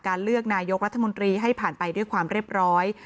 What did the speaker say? เลือกนายกรัฐมนตรีให้ผ่านไปด้วยความเรียบร้อย